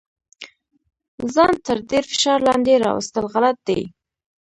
ځان تر ډیر فشار لاندې راوستل غلط دي.